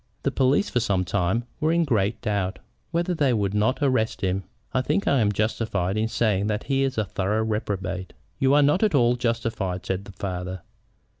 The police for some time were in great doubt whether they would not arrest him. I think I am justified in saying that he is a thorough reprobate." "You are not at all justified," said the father.